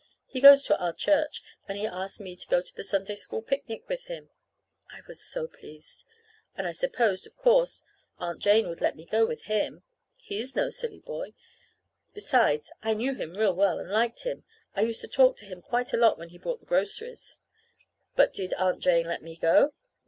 He goes to our church, and he asked me to go to the Sunday School picnic with him. I was so pleased. And I supposed, of course, Aunt Jane would let me go with him. He's no silly boy! Besides, I knew him real well, and liked him. I used to talk to him quite a lot when he brought the groceries. But did Aunt Jane let me go?